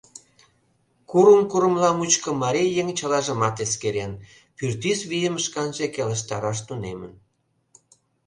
Курым-курымла мучко марий еҥ чылажымат эскерен, пӱртӱс вийым шканже келыштараш тунемын.